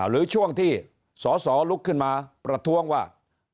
หรือช่วงที่สอสอลุกขึ้นมาประท้วงว่า